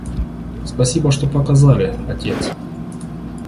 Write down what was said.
Спасибо, что показали, отец.